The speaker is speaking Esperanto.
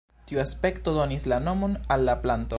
Tiu aspekto donis la nomon al la planto.